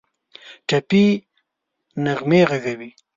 ټپي نغمې ږغوي